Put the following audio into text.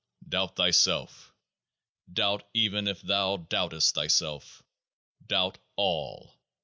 Doubt thyself. Doubt even if thou doubtest thyself. Doubt all.